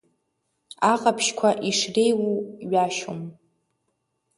Аҟаԥшьқәа ишреиуоу ҩашьом.